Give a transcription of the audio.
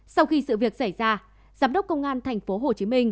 sau khi sự việc xảy ra giám đốc công an tp hcm